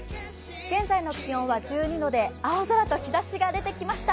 現在の気温は１２度で青空と日ざしが出てきました。